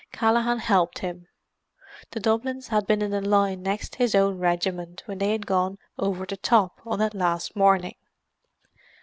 Callaghan helped him: the Dublins had been in the line next his own regiment when they had gone "over the top" on that last morning.